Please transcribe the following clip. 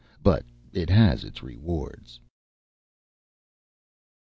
But it has its rewards.